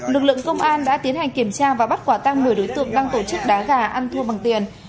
lực lượng công an đã tiến hành kiểm tra và bắt quả tăng một mươi đối tượng đang tổ chức đá gà ăn thua bằng tiền